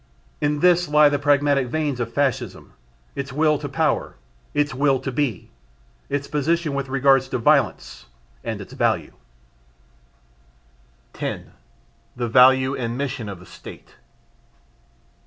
In this lie the pragmatic veins of Fascism, its will to power, its will to be, its position with regard to "violence" and its value. 10. The Value and Mission of the State.